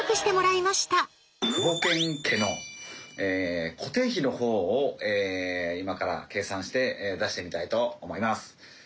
クボケン家の固定費のほうを今から計算して出してみたいと思います。